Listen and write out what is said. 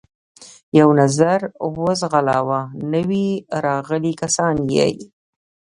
یو نظر و ځغلاوه، نوي راغلي کسان یې.